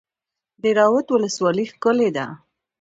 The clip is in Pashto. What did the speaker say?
د دهراوود ولسوالۍ ښکلې ده